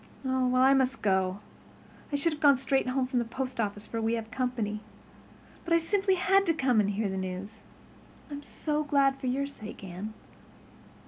Well, I must go. I should have gone straight home from the post office for we have company. But I simply had to come and hear the news. I'm so glad for your sake, Anne."